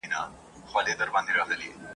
منلو او برلاستيا سره